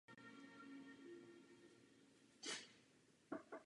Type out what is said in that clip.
Tento pískovec zde byl těžen zejména na dvou místech.